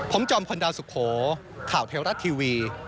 ผมจอมพลดาวสุโขข่าวเทวรัฐทีวี